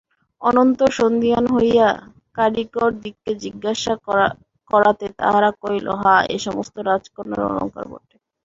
অনন্তর সন্দিহান হইয়া কারিকরদিগকে জিজ্ঞাসা করাতে তাহারা কহিল হাঁ এ সমস্ত রাজকন্যার অলঙ্কার বটে।